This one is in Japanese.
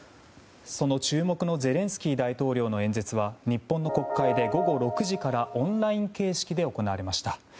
その注目のゼレンスキー大統領の演説は日本の国会で午後６時からオンライン形式で行われました。